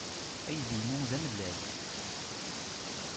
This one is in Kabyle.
Aydi-inu d amellal.